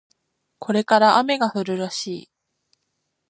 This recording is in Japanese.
これから雨が降るらしい